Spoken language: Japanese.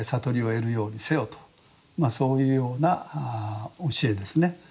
まあそういうような教えですね。